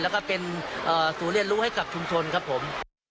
แล้วก็เป็นศูนย์เรียนรู้ให้กับชุมชนครับผม